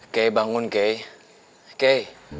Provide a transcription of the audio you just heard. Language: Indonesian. kei bangun kei kei